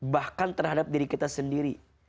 bahkan terhadap diri kita sendiri